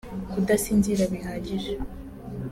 kudasinzira bihagije